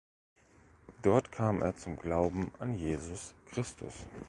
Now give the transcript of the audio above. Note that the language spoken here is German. Dort kam er zum Glauben an Jesus Christus.